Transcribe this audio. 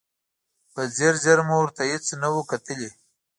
په ځیر ځیر مو ورته هېڅ نه و کتلي.